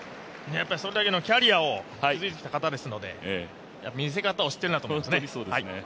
それだけのキャリアを築いてきた方ですので見せ方を知ってるなと思いますね。